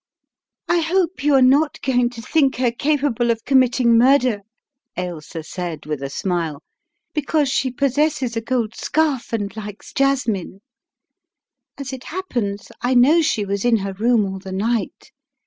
"I hope you are not going to think her capable of committing murder," Ailsa said with a smile, "be cause she possesses a gold scarf and likes jasmine. As it happens I know she was in her room all the night.